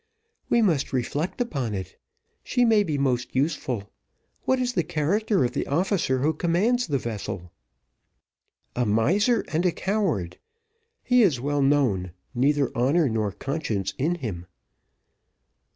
"We must reflect upon it. She may be most useful. What is the character of the officer who commands the vessel?" "A miser, and a coward. He is well known neither honour nor conscience in him."